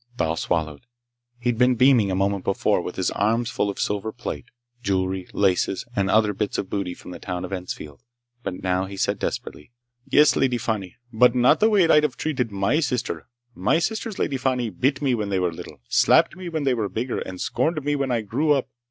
Thal swallowed. He'd been beaming a moment before, with his arms full of silver plate, jewelry, laces, and other bits of booty from the town of Ensfield. But now he said desperately: "Yes, Lady Fani. But not the way I'd've treated my sister. My sisters, Lady Fani, bit me when they were little, slapped me when they were bigger, and scorned me when I grew up.